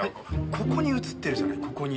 ここに写ってるじゃないここに。